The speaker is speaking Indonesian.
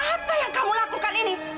apa yang kamu lakukan ini